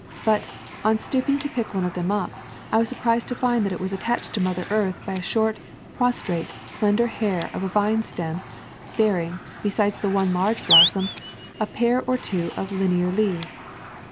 But, on stooping to pick one of them up, I was surprised to find that it was attached to Mother Earth by a short, pros trate, slender hair of a vine stem, bearing, be sides the one large blossom, a pair or two of linear leaves.